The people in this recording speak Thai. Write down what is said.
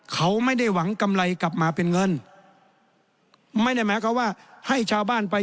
เขาไม่ได้หวังกำไรกลับมาเป็นเงินไม่ได้หมายความว่าให้ชาวบ้านไป